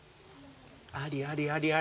ありありありあり。